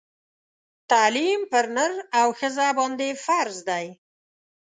تعلیم پر نر او ښځه باندي فرض دی